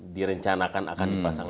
direncanakan akan dipasang